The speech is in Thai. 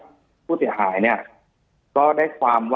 จนถึงปัจจุบันมีการมารายงานตัว